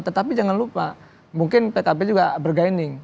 tetapi jangan lupa mungkin pkb juga bergaining